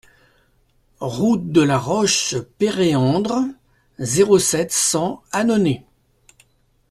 Route de la Roche Péréandre, zéro sept, cent Annonay